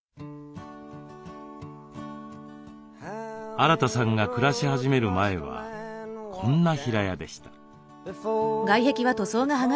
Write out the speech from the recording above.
アラタさんが暮らし始める前はこんな平屋でした。